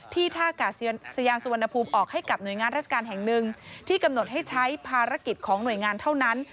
ท่ากาศยานสุวรรณภูมิออกให้กับหน่วยงานราชการแห่งหนึ่งที่กำหนดให้ใช้ภารกิจของหน่วยงานเท่านั้น